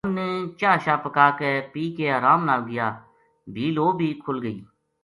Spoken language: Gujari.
ان نے چاہ شاہ پکا کے پی کے ارام نال گیا بھی لو بھی کُھل گئی